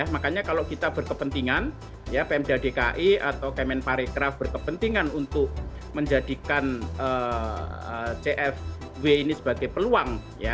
makanya kalau kita berkepentingan ya pemda dki atau kemen parekraf berkepentingan untuk menjadikan cfw ini sebagai peluang